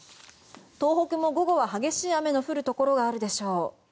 東北も午後は激しい雨の降るところがあるでしょう。